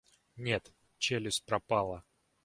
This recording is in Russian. Нет, челюсть пропала.